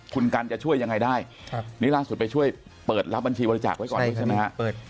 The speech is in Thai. คุณกันจะช่วยยังไงได้นี่ล่าสุดไปช่วยเปิดรับบัญชีบริจาคไว้ก่อนด้วยใช่ไหมฮะ